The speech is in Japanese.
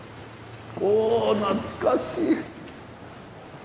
お懐かしい！